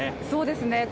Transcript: そうですね